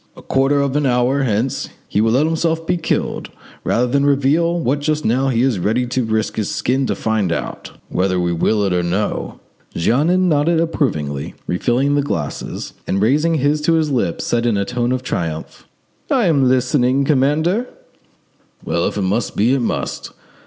A quarter of an hour hence he will let himself be killed rather than reveal what just now he is ready to risk his skin to find out, whether we will or no." Jeannin nodded approvingly, refilled the glasses, and raising his to his lips, said in a tone of triumph— "I am listening, commander." "Well, if it must be, it must.